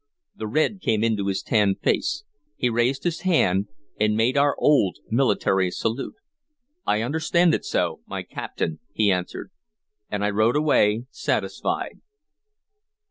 The red came into his tanned face. He raised his hand and made our old military salute. "I understand it so, my captain," he answered, and I rode away satisfied.